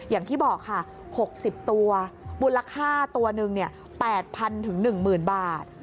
อย่างที่บอกค่ะหกสิบตัวบูรค่าตัวหนึ่งเนี้ยแปดพันถึงหนึ่งหมื่นบาท